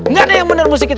gak ada yang bener musik itu